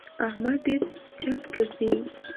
احمد ډېر چټ ګرځي.